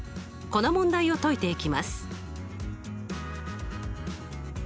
この問題を解いていきます。